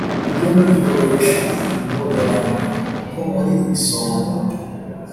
mujye muyikoresha mukorerana, kuko muri ibisonga